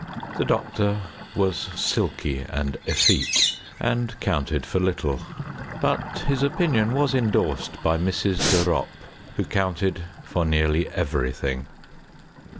The doctor was silky and effete, and counted for little, but his opinion was endorsed by Mrs. de Ropp, who counted for nearly everything.